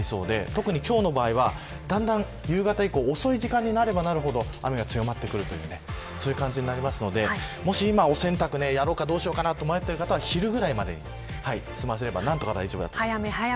特に今日の場合はだんだん、夕方以降遅い時間になればなるほど雨が強まってくるというそういう感じになりますのでもしお洗濯をやろうかどうしようかと迷っている方は昼ぐらいまでに済ませば大丈夫。